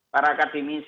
para kadimisi ya